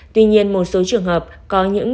tuy nhiên một số trường hợp có những